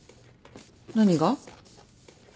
何が？